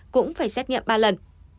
cũng phải xét nghiệm ba lần